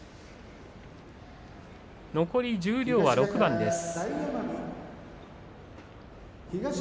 残り十両は６番です。